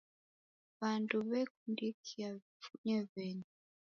Wandu wekundikia wijifunye weni.